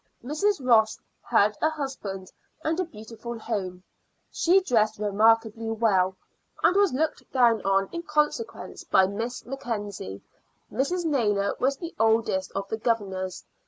Mrs. Ross had a husband and a beautiful home; she dressed remarkably well, and was looked down on in consequence by Miss Mackenzie. Mrs. Naylor was the oldest of the governors.